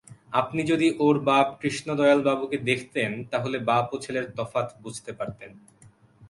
আপনি যদি ওর বাপ কৃষ্ণদয়ালবাবুকে দেখতেন তা হলে বাপ ও ছেলের তফাত বুঝতে পারতেন।